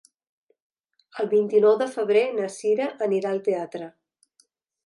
El vint-i-nou de febrer na Cira irà al teatre.